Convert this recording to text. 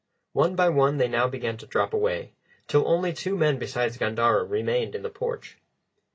One by one they now began to drop away, till only two men besides Gandara remained in the porch.